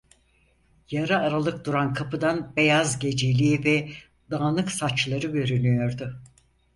Yarı aralık duran kapıdan beyaz geceliği ve dağınık saçları görünüyordu.